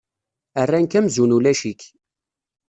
Rran-k amzun ulac-ik.